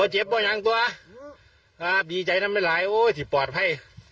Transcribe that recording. จองมันไม่ได้ยิ่งไส้